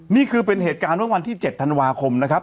นี่คือเป็นเหตุการณ์เมื่อวันที่๗ธันวาคมนะครับ